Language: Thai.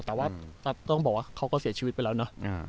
แต่ว่าต้องบอกว่าเขาก็เสียชีวิตไปแล้วเนอะ